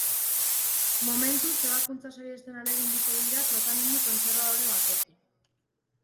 Momentuz, ebakuntza sahiesten ahaleginduko dira tratamendu kontserbadore batekin.